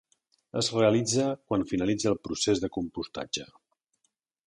Es realitza quan finalitza el procés de compostatge.